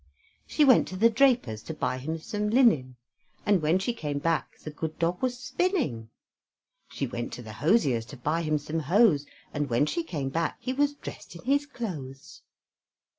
She went to the draper's to buy him some linen, And when she came back the good dog was spinning. She went to the hosier's to buy him some hose, And when she came back he was dressed in his clothes.